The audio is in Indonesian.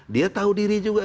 dia tahu diri juga